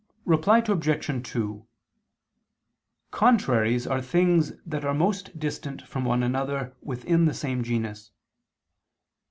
Reply Obj. 2: Contraries are things that are most distant from one another within the same genus.